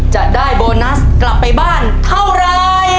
จะได้โบนัสกลับไปบ้านเท่าไร